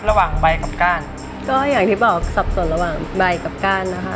ระหว่างใบกับก้านก็อย่างที่บอกสับสนระหว่างใบกับก้านนะคะ